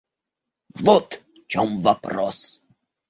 Вот в чем вопрос!